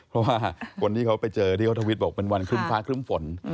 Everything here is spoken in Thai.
เพราะว่าคนที่เขาไปเจอที่เขาทวิตบอกเป็นวันครึ้มฟ้าครึ่มฝน